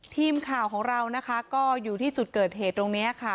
ทีมข่าวของเรานะคะก็อยู่ที่จุดเกิดเหตุตรงนี้ค่ะ